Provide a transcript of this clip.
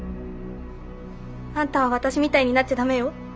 あんたは私みたいになっちゃ駄目よ。